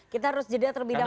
kita harus jeda terlebih dahulu